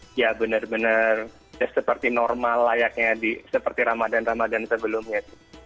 jadi ya benar benar seperti normal layaknya seperti ramadhan ramadhan sebelumnya